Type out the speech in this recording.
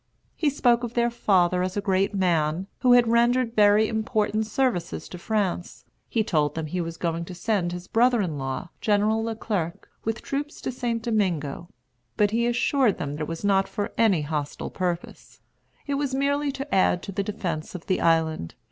He spoke of their father as a great man, who had rendered very important services to France. He told them he was going to send his brother in law, General Le Clerc, with troops to St. Domingo; but he assured them it was not for any hostile purpose; it was merely to add to the defence of the island.